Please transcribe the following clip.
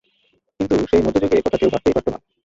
কিন্তু সেই মধ্যযুগে একথা কেউ ভাবতেই পারত না।